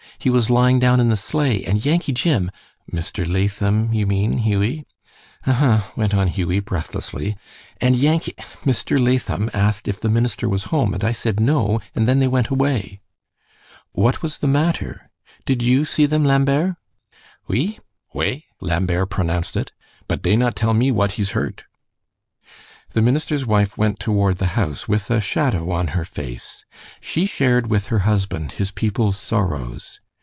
He was lying down in the sleigh, and Yankee Jim " "Mr. Latham, you mean, Hughie." "Huh huh," went on Hughie, breathlessly, "and Yankee Mr. Latham asked if the minister was home, and I said 'No,' and then they went away." "What was the matter? Did you see them, Lambert?" "Oui" ("Way," Lambert pronounced it), "but dey not tell me what he's hurt." The minister's wife went toward the house, with a shadow on her face. She shared with her husband his people's sorrows.